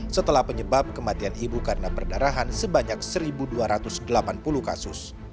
setelah penyebab kematian ibu karena perdarahan sebanyak satu dua ratus delapan puluh kasus